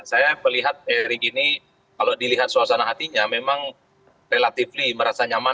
saya melihat erick ini kalau dilihat suasana hatinya memang relatifly merasa nyaman